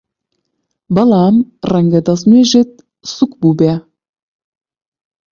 بەڵام ڕەنگە دەستنوێژت سووک بووبێ!